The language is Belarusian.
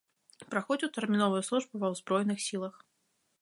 Праходзіў тэрміновую службу ва ўзброеных сілах.